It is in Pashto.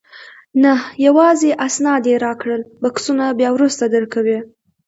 نه، یوازې اسناد یې راکړل، بکسونه بیا وروسته درکوي.